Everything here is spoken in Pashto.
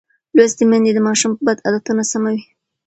لوستې میندې د ماشوم بد عادتونه سموي.